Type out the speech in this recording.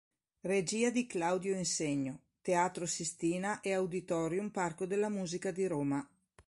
Regia di Claudio Insegno, Teatro Sistina e Auditorium Parco della Musica di Roma.